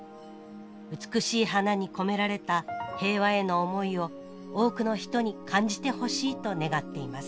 美しい花に込められた平和への思いを多くの人に感じてほしいと願っています